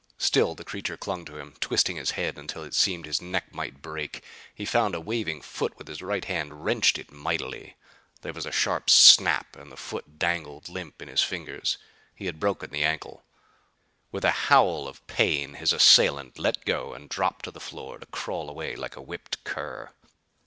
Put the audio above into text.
Still the creature clung to him, twisting his head until it seemed his neck must break. He found a waving foot with his right hand; wrenched it mightily. There was a sharp snap and the foot dangled limp in his fingers. He had broken the ankle. With a howl of pain his assailant let go and dropped to the floor to crawl away like a whipped cur.